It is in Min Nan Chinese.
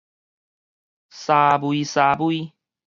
沙微沙微